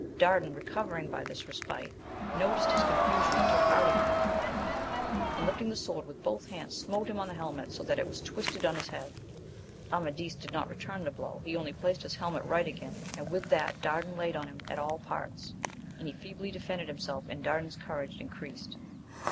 Dardan, recovering by this respite, noticed his confusion and took heart again ; and, lifting the sword with both hands, smote him on the helmet so that it was twisted on his head. Amadis did not return the blow, he only placed his helmet right again, and with that Dardan laid on him at all parts, and he feebly defended him self, and Dardan's courage increased.